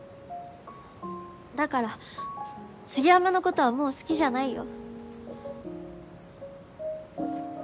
だから杉山のことはもう好きじゃないよ。